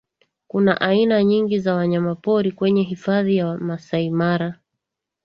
kuna aina nyingi za wanyama pori kwenye hifadhi ya masai mara